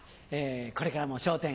これからも『笑点』